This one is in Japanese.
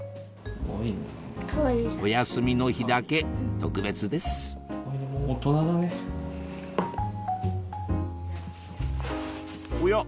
お休みの日だけ特別ですおや？